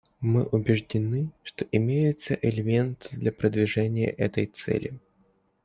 Мы убеждены, что имеются элементы для продвижения этой цели.